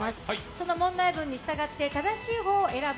その問題文に従って正しい方を選ぶ